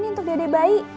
untuk dade bayi